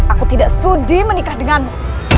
aku tidak setuju menikah denganmu